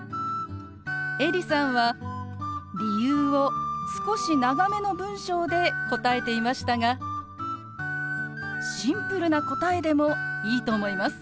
エリさんは理由を少し長めの文章で答えていましたがシンプルな答えでもいいと思います。